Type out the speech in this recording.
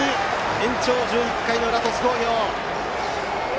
延長１１回の裏、鳥栖工業。